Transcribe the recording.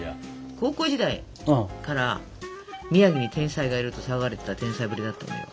高校時代から宮城に天才がいると騒がれてた天才ぶりだったんだよ。